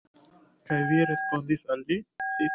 Kaj vi respondis al li?